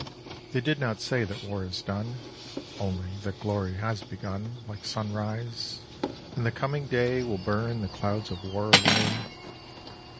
They did not say that war is done, Only that glory has begun Like sunrise, and the coming day Will burn the clouds of war away.